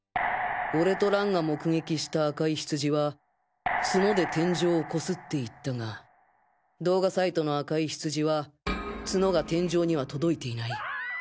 俺と蘭が目撃した赤いヒツジは角で天井をこすって行ったが動画サイトの赤いヒツジは角が天井には届いていない。